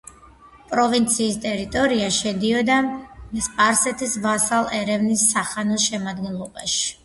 პროვინციის ტერიტორია შედიოდა სპარსეთის ვასალ ერევნის სახანოს შემადგენლობაში.